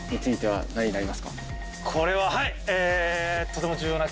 これははいえ。